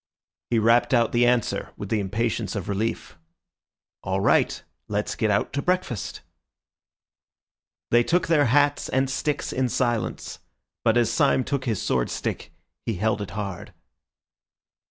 He rapped out the answer with the impatience of relief— "All right. Let's get out to breakfast." They took their hats and sticks in silence; but as Syme took his sword stick, he held it hard.